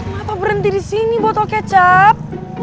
atau berhenti di sini botol kecap